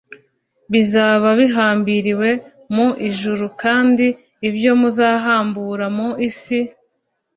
bizaba bihambiriwe mu ijuru, kandi ibyo muzahambura mu isi